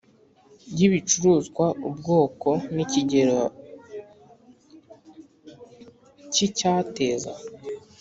Y Ibicuruzwa Ubwoko N Ikigero Cy Icyateza